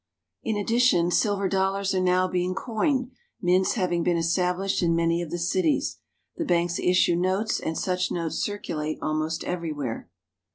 In ad dition, silver dollars are now being coined, mints having been established in many of the cities. The banks issue notes, and such notes circulate almost everywhere.